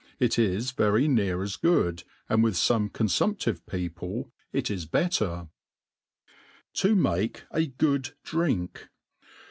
It is very npar as goo^} and with (pipe confumptive people if is better* To make a good Drink.